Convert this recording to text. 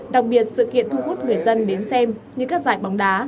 đặc biệt sự kiện thu hút người dân đến xem như các giải bóng đá